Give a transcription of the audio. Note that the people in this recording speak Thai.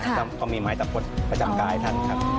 แล้วก็มีไม้ตะพดประจำกายท่านครับ